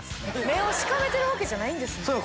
目をしかめてるわけじゃないんですね。